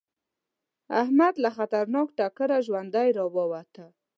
احمد له خطرناک ټکره ژوندی راووته.